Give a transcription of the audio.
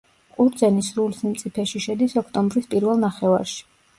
ყურძენი სრულ სიმწიფეში შედის ოქტომბრის პირველ ნახევარში.